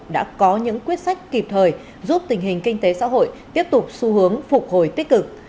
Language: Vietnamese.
đã có những quyết sách kịp thời giúp tình hình kinh tế xã hội tiếp tục xu hướng phục hồi tích cực